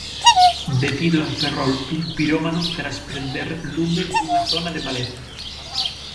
Detido en Ferrol un pirómano tras prender lume nunha zona de maleza.